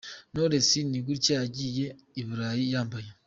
Knowless ni gutya yagiye i Burayi yambaye.